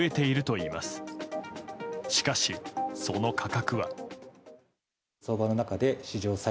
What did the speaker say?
しかし、その価格は。